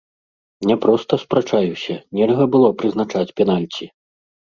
Не проста спрачаюся, нельга было прызначаць пенальці!